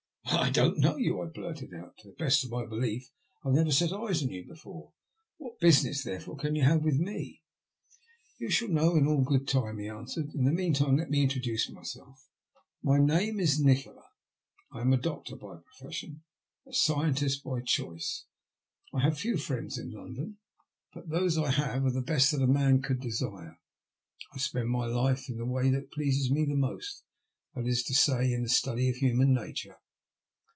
" But I don't know you," I blurted out. " To the best of my belief I have never set eyes on you before. What business, therefore, can you have with me?" You shall know all in good time," he answered. ''In the meantime let me introduce myself. My name is Nikola. I am a doctor by profession, a ENGLAND ONCE MOBE. 61 scientist by choice. I have few friends in London, but those I have are the best that a man could desire. I spend my life in the way that pleases me most; that is to say, in the study of human nature.